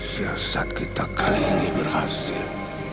siasat kita kali ini berhasil